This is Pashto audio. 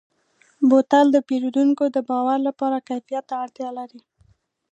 بوتل د پیرودونکو د باور لپاره کیفیت ته اړتیا لري.